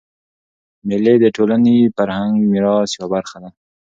مېلې د ټولني د فرهنګي میراث یوه برخه ده.